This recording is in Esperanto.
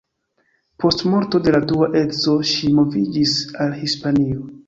Post morto de la dua edzo ŝi moviĝis al Hispanio.